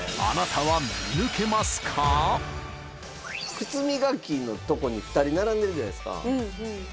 靴磨きのとこに２人並んでるじゃないですか。